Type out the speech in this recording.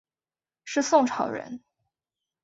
是宋朝人。